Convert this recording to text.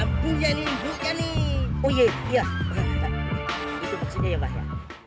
alvin untung kamu selamat ya